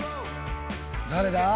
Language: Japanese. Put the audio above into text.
誰だ？